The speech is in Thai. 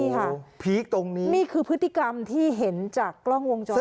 โอ้โฮพีคตรงนี้นี่ค่ะนี่คือพฤติกรรมที่เห็นจากกล้องวงจรปิด